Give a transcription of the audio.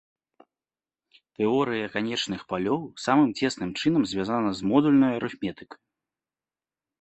Тэорыя канечных палёў самым цесным чынам звязана з модульнаю арыфметыкай.